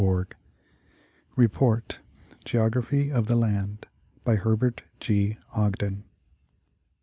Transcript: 125 REPORT— GEOGRAPHY OF THE LAND. By Herbert G. Ogden.